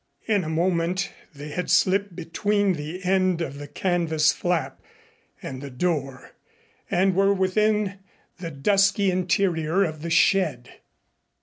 In a moment they had slipped between the end of the canvas flap and the door, and were within the dusky interior of the shed.